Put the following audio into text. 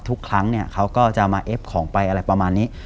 ทุกครั้งเนี่ยเขาก็จะมาเอฟของไปอะไรประมาณนี้